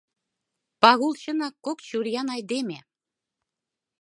Пагул чынак кок чуриян айдеме.